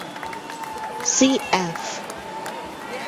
Cf.